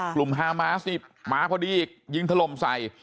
กลุ่มฮามาสนี่ม้าพอดียิงถล่มใส่